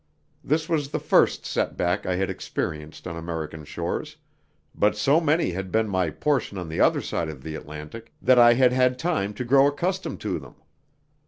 This was the first setback I had experienced on American shores, but so many had been my portion on the other side of the Atlantic that I had had time to grow accustomed to them.